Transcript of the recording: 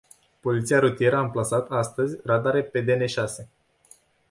Poliția rutieră a amplasat, astăzi, radare pe de ne șase.